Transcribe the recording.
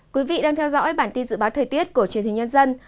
quý vị đang theo dõi bản tin dự báo thời tiết của truyền hình nhân dân